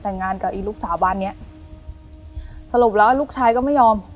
แต่งงานกับอีลูกสาวบ้านเนี้ยสรุปแล้วลูกชายก็ไม่ยอม